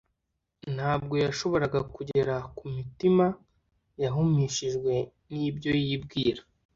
ntabwo yashoboraga kugera ku mitima yahumishijwe n'ibyo yibwira